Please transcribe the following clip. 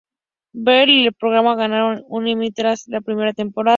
Berle y el programa ganaron un Emmy tras la primera temporada.